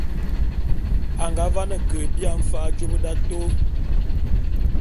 O nga biane ke bia mfa'a jôp d'atôô.